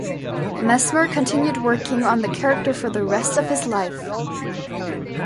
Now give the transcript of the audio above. Messmer continued working on the character for the rest of his life.